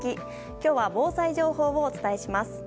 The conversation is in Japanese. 今日は防災情報をお伝えします。